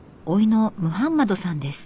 甥のムハンマドさんです。